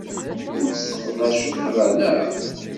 Ur t-tesseqdaceḍ ara, naɣ?